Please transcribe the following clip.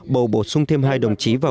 bầu bổ sung thêm hai đồng chí vào